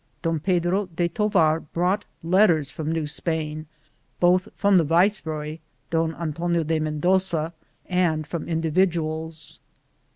Don Pedro de Tovar brought letters from New Spain, both from the viceroy, Don Antonio de Mendoza, and from individuals.